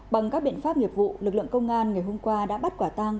bằng các biện pháp nghiệp vụ lực lượng công an ngày hôm qua đã bắt quả tang